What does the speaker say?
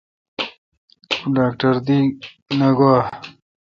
توڈاکٹر دی نہ گوا؟